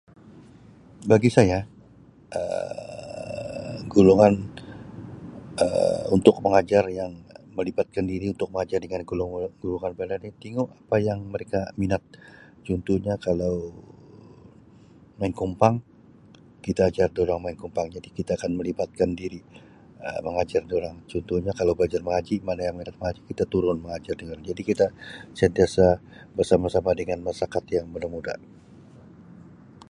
Bagi saya Um golongan Um untuk mangajar yang melibatkan diri untuk mengajar dengan golongan muda ni tengok apa yang mereka minat contohnya kalau main kompang kita ajar dorang main kompang jadi kita akan melibatkan diri Um mengajar dorang contohnya kalau mangajar mengaji mana yang minat mengaji kita turun mengajar dorang jadi kita sentiasa bersama-sama dengan masyarakat yang muda-muda.